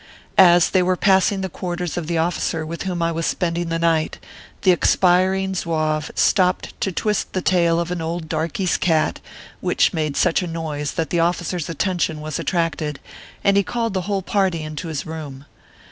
As they were passing the quarters of the officer with whom I was spending the night, the expiring Zouave stopped to twist the tail of an old darkey s cat, which made such a noise that the officer s atten tion was attracted, and he called the whole party into his room.